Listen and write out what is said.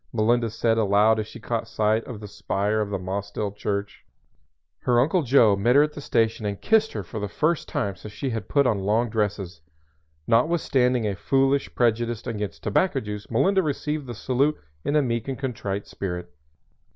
Melinda said aloud as she caught sight of the spire of the Mossdale Church. Her Uncle Joe met her at the station and kissed her for the first time since she had put on long dresses. Notwithstanding a foolish prejudice against tobacco juice Melinda received the salute in a meek and contrite spirit.